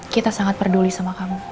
kita sangat peduli sama kamu